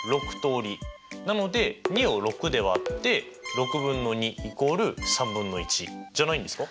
なので２を６で割って６分の２イコール３分の１じゃないんですか？